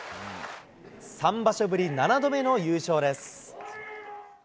３場所ぶり７度目の優勝です。